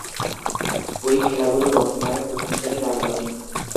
ঐ খেলাগুলো বর্তমানে প্রথম-শ্রেণীর আওতাধীন।